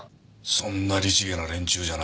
そんな律儀な連中じゃないさ。